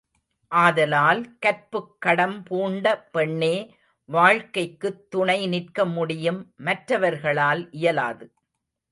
ஆதலால் கற்புக்கடம் பூண்ட பெண்ணே வாழ்க்கைக்குத் துணை நிற்கமுடியும் மற்றவர்களால் இயலாது.